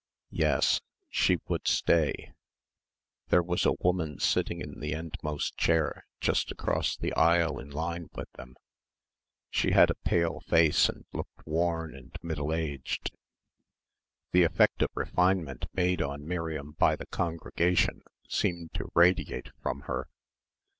Yes ... she would stay. There was a woman sitting in the endmost chair just across the aisle in line with them. She had a pale face and looked worn and middle aged. The effect of "refinement" made on Miriam by the congregation seemed to radiate from her.